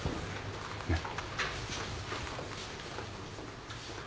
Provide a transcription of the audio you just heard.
ねっ？